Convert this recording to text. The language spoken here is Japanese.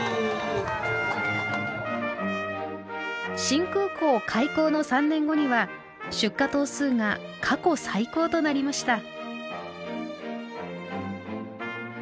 新空港開港の３年後には出荷頭数が過去最高となりました。